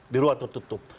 di ruang tertutup